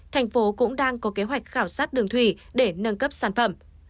thành phố cũng đang có kế hoạch khảo sát đường thủy để nâng cấp sản phẩm